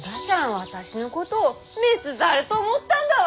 私のことを雌猿と思ったんだわ！